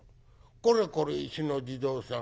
『これこれ石の地蔵さん